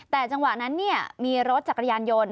แต่จังหวะนั้นมีรถจักรยานยนต์